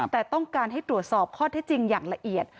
แต่ต้องการให้ตรวจสอบข้อเท็จจริงอย่างละเอียด